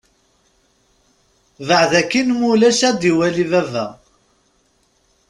Beɛd akin neɣ ma ulac ad d-iwali baba.